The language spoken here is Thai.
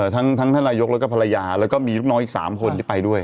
ทั้งท่านนายกแล้วก็ภรรยาแล้วก็มีลูกน้องอีก๓คนที่ไปด้วย